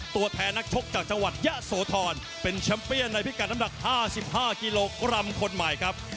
ตัวแทนนักชกจากจังหวัดยะโสธรเป็นแชมป์เปียนในพิกัดน้ำหนัก๕๕กิโลกรัมคนใหม่ครับ